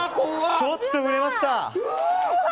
ちょっと触れました。